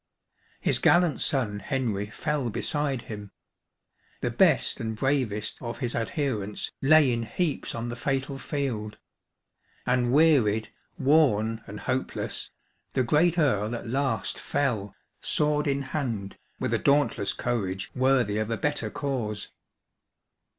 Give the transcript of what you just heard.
His gallant son Heniy fell beside him ; the best and bravest of his adherents lay in heaps on the fatal field ; and wearied, worn, and hopeless, the great Earl at last feU, sword in hand, with a dauntless courage worthy of a better cause.